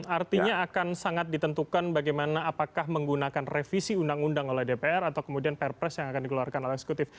artinya akan sangat ditentukan bagaimana apakah menggunakan revisi undang undang oleh dpr atau kemudian perpres yang akan dikeluarkan oleh eksekutif